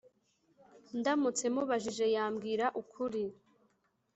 ndamutse mubajije, yambwira ukuri.